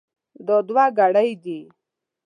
دا دوه ګړۍ دي.